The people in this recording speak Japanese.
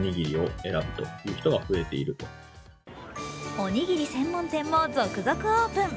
おにぎり専門店も続々オープン。